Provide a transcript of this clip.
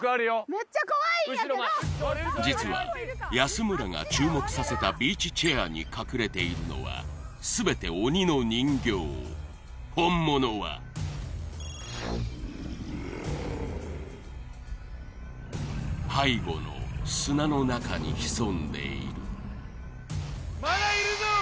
めっちゃ怖いんやけど実は安村が注目させたビーチチェアに隠れているのは全て鬼の人形本物は背後の砂の中に潜んでいるまだいるぞ！